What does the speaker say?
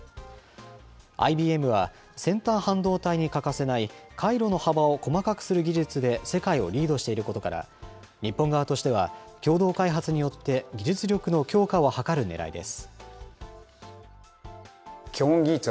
ＩＢＭは、先端半導体に欠かせない回路の幅を細かくする技術で世界をリードしていることから、日本側としては、共同開発によって技術力の強化を図るねらいです。